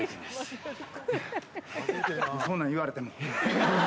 そんなん言われても。